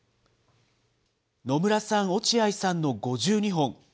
野村さん、落合さんの５２本。